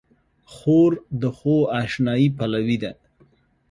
خور د ښو اشنايي پلوي ده.